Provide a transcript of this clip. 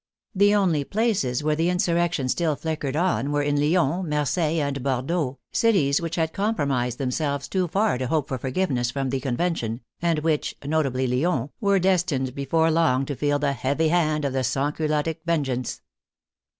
The only places where the insurrection still flickered on were in Lyons, Marseilles, and Bordeaux, cities which had compromised themselves too far to hope for forgive ness from the Convention, and which (notably Lyons) were destined before long to feel the heavy hand of sansculottic vengeance.